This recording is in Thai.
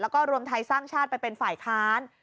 แล้วก็รวมไทยสร้างชาติไปเป็นฝ่ายค้าน